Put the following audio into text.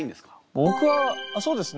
ぼくはそうですね。